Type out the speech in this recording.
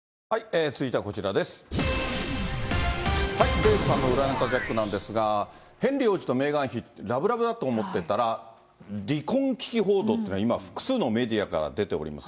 デーブさんの裏ネタジャックなんですが、ヘンリー王子とメーガン妃、ラブラブだと思ってたら、離婚危機報道っていうのが今、複数のメディアから出ております。